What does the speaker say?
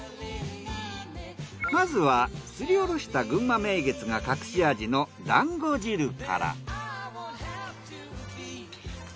まずはすりおろしたぐんま名月が隠し味のだんご汁から。